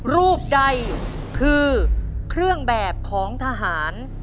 รูปใดคือเครื่องแบบของทหาร